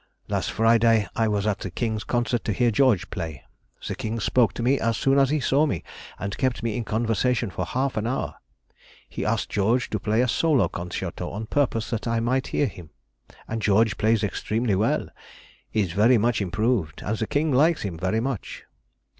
Last Friday I was at the King's concert to hear George play. The King spoke to me as soon as he saw me, and kept me in conversation for half an hour. He asked George to play a solo concerto on purpose that I might hear him; and George plays extremely well, is very much improved, and the King likes him very much.